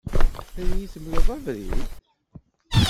Ad iyi-d-temleḍ abrid?